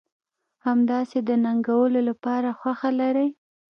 همداسې د ننګولو لپاره خوښه لرئ.